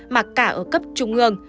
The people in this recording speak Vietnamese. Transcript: mà cả ở cấp trung ương